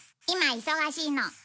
今忙しいの。